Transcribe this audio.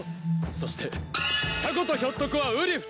そしてタコとひょっとこはうり二つ！